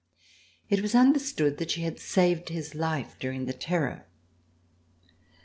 It was under stood that she had saved his life during the Terror.